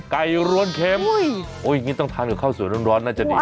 รวนเข็มอย่างนี้ต้องทานกับข้าวสวยร้อนน่าจะดี